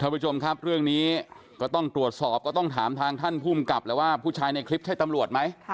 เวลานี้ก็ต้องตรวจสอบทางท่านผู้ใหญ่และผู้ชายในคลิปใช่ตำรวจไหม